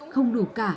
không đủ cả